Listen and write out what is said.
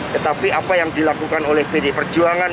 tetapi apa yang dilakukan oleh bdpb di perjuangan